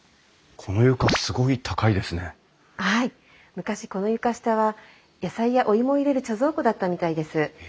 昔この床下は野菜やお芋を入れる貯蔵庫だったみたいです。